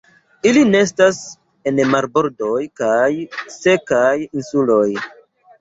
Ili nestas en marbordoj kaj sekaj insuloj.